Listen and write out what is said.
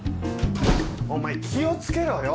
お前気を付けろよ？